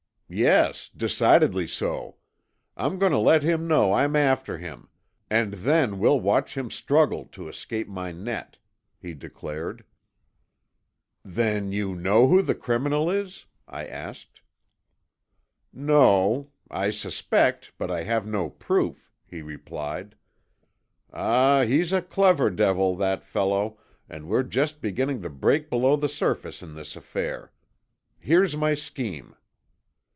"Yes, decidedly so. I'm going to let him know I'm after him, and then we'll watch him struggle to escape my net," he declared. "Then you know who the criminal is?" I asked. "No. I suspect, but I have no proof," he replied. "Ah, he's a clever devil, that fellow, and we're just beginning to break below the surface in this affair. Here's my scheme."